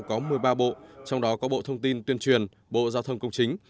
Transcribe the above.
có một mươi ba bộ trong đó có bộ thông tin tuyên truyền bộ giao thông công chính